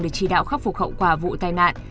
để chỉ đạo khắc phục hậu quả vụ tai nạn